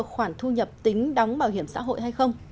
khoản thu nhập tính đóng bảo hiểm xã hội hay không